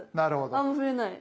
あんま増えない。